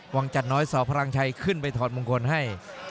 วังจัดน้อยสพลังชัยขึ้นไปถอดมงคลให้